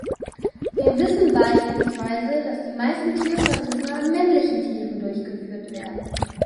Wir wissen beispielsweise, dass die meisten Tierversuche an männlichen Tieren durchgeführt werden.